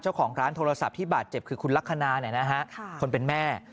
เจ้าของร้านโทรศัพท์ที่บาดเจ็บคือคุณลักษณาคนเป็นแม่